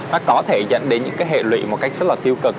nó có thể dẫn đến những cái hệ lụy một cách rất là tiêu cực